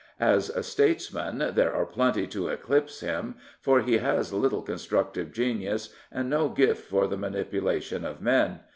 As a statesman there are plenty to eclipse him, for he has little constructive genius and no gift for the manipulation of men.